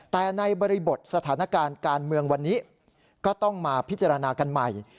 แต่ในบริบทสถานการณ์การเมืองวันนี้ก็ต้องมาพิจารณากันใหม่